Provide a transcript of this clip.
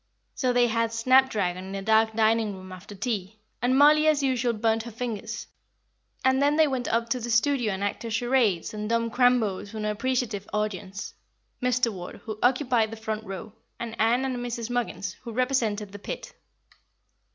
So they had snapdragon in the dark dining room after tea, and Mollie as usual burnt her fingers, and then they went up to the studio and acted charades and dumb Crambo to an appreciative audience Mr. Ward, who occupied the front row, and Ann and Mrs. Muggins, who represented the pit.